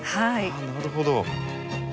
なるほど。